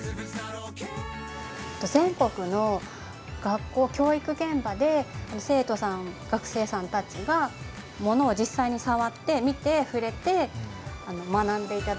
全国の学校教育現場で生徒さん学生さんたちがものを実際に触って見て触れて学んで頂けるように。